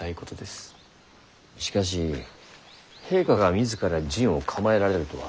しかし陛下が自ら陣を構えられるとは。